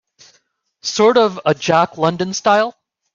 Sort of a Jack London style?